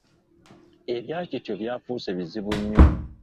Ebya Kityo by’afuuse bizibu nnyo.